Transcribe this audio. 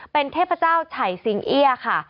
เป็นเทพเจ้าไฉสิงเอี้ยค่ะ